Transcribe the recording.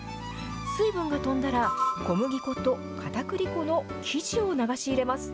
水分が飛んだら、小麦粉とかたくり粉の生地を流し入れます。